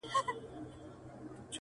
زما د اوښکي ـ اوښکي ژوند يوه حصه راوړې،